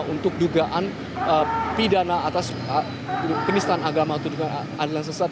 untuk dugaan pidana atas penistaan agama atau dugaan aliran sesat